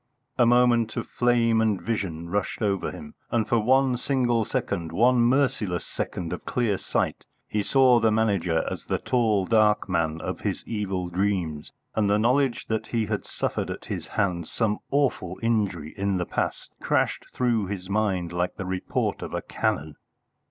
A moment of flame and vision rushed over him, and for one single second one merciless second of clear sight he saw the Manager as the tall dark man of his evil dreams, and the knowledge that he had suffered at his hands some awful injury in the past crashed through his mind like the report of a cannon.